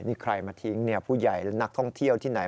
นี่ใครมาทิ้งผู้ใหญ่และนักท่องเที่ยวที่ไหน